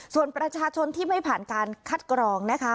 ส่วนประชาชนที่ไม่ผ่านการคัดกรองนะคะ